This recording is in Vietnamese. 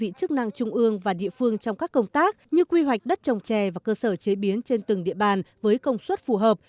các đơn vị chè sẽ được tăng trung ương và địa phương trong các công tác như quy hoạch đất trồng chè và cơ sở chế biến trên từng địa bàn với công suất phù hợp